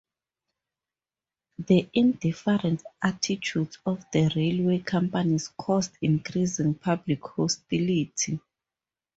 The indifferent attitudes of the railway companies caused increasing public hostility.